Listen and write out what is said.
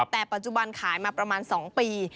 แต่ปัจจุบันขายมาประมาณ๒ปี